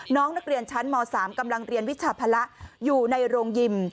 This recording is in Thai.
น้องนักเรียนชั้นม๓กำลังเรียนวิชาภาระอยู่ในโรงยิม